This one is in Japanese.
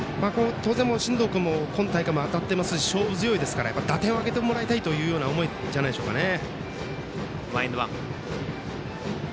当然、進藤君も今大会、当たってますし勝負強いですから打点を挙げてもらいたいという思いじゃないでしょうかね。